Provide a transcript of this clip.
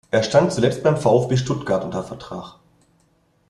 Er stand zuletzt beim VfB Stuttgart unter Vertrag.